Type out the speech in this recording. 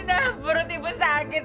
kakak ibu sakit